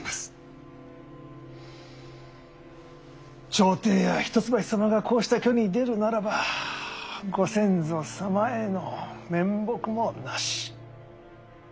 朝廷や一橋様がこうした挙に出るならばご先祖様への面目もなし。